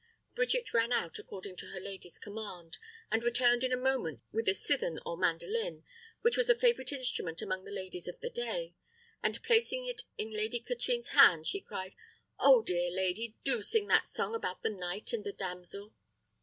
Bridget ran out, according to her lady's command, and returned in a moment with a cithern or mandolin, which was a favourite instrument among the ladies of the day, and placing it in Lady Katrine's hand, she cried, "Oh, dear lady, do sing that song about the knight and the damsel!"